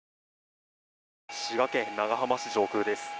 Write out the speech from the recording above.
滋賀県長浜市上空です。